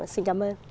xin cảm ơn